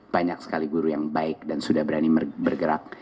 banyak sekali guru yang baik dan sudah berani bergerak